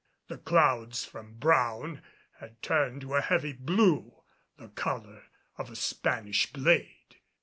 The clouds from brown had turned to a heavy blue, the color of a Spanish blade.